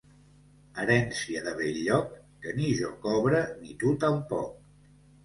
Herència de Bell-lloc, que ni jo cobre ni tu tampoc.